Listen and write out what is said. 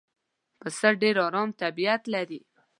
پسه ډېر آرام طبیعت لري.